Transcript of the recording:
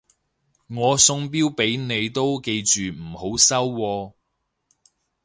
我送錶俾你都記住唔好收喎